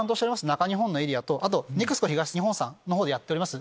中日本のエリアとＮＥＸＣＯ東日本さんの方でやってます